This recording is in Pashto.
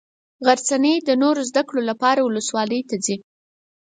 غرڅنۍ د نورو زده کړو لپاره ولسوالي ته ځي.